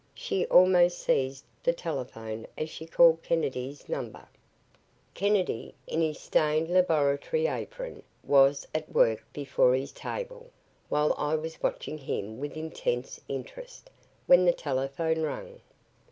She almost seized the telephone as she called Kennedy's number. ........ Kennedy, in his stained laboratory apron, was at work before his table, while I was watching him with intense interest, when the telephone rang.